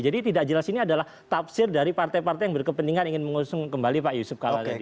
jadi tidak jelas ini adalah tafsir dari partai partai yang berkepentingan ingin mengusung kembali pak yusuf kuala tadi